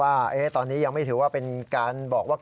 ว่าตอนนี้ยังไม่ถือว่าเป็นการบอกว่า